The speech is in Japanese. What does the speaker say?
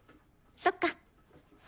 そっか。